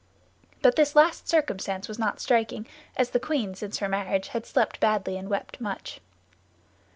But this last circumstance was not striking, as the queen since her marriage had slept badly and wept much.